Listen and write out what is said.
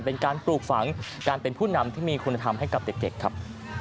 เป็นการปลูกฝังการเป็นผู้นำที่มีคุณธรรมให้กับเด็กครับ